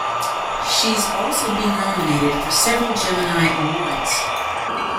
She's also been nominated for several Gemini Awards.